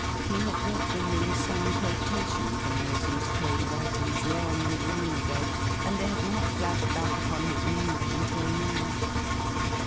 He had read them in some quotation from Milton's prose writings long and long ago, and they had not flashed back upon his memory until nbw.